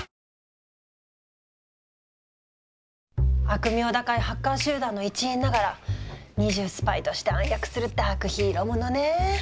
悪名高いハッカー集団の一員ながら二重スパイとして暗躍するダークヒーローものねぇ。